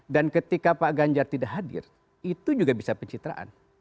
dan ketika pak ganjar tidak hadir itu juga bisa pencitraan